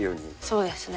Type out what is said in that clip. そうですね。